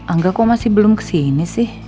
angga kok masih belum kesini sih